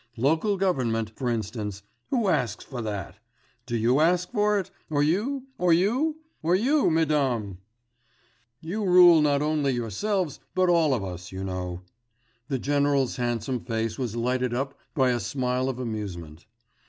Local government, for instance who asks for that? Do you ask for it? or you, or you? or you, mesdames? You rule not only yourselves but all of us, you know.' (The general's handsome face was lighted up by a smile of amusement.)